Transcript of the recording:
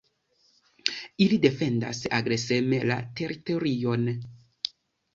Ili defendas agreseme la teritorion.